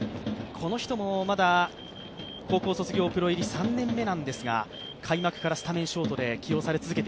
この人もまだ高校卒業プロ入り３年目なんですが、開幕からスタメンショートです。